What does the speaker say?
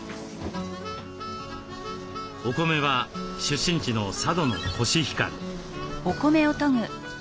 お米は出身地の佐渡のコシヒカリ。